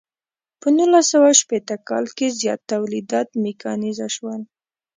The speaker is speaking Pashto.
په نولس سوه شپیته کال کې زیات تولیدات میکانیزه شول.